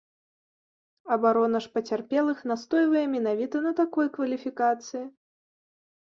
Абарона ж пацярпелых настойвае менавіта на такой кваліфікацыі.